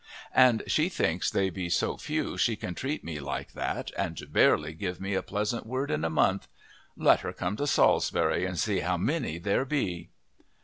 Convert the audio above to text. And she thinks they be so few she can treat me like that and barely give me a pleasant word in a month! Let her come to Salisbury and see how many there be!